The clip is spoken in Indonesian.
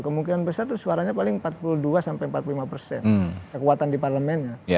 kemungkinan besar itu suaranya paling empat puluh dua sampai empat puluh lima persen kekuatan di parlemennya